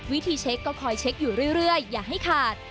วิธีเช็คก็คอยเช็คอยู่เรื่อยอย่าให้ขาด